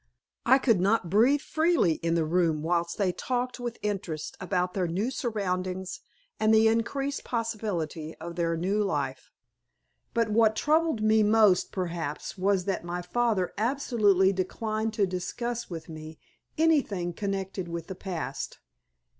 I could not breathe freely in the room whilst they talked with interest about their new surroundings and the increased possibilities of their new life. But what troubled me most perhaps was that my father absolutely declined to discuss with me anything connected with the past.